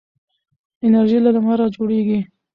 انرژي له لمره جوړیږي.